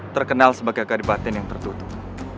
terkenal sebagai kadibatin yang tertutup